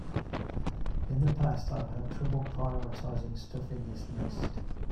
In the past I've had trouble prioritizing stuff in this list.